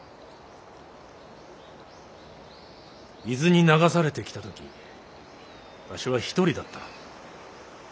伊豆に流されてきた時わしは一人だった。